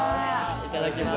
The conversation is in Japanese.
いただきます。